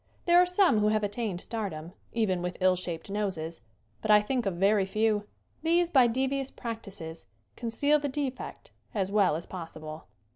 There are some who have attained stardom, even with ill shaped noses, but I think of very few. These by devious practices conceal the defect as well as possible.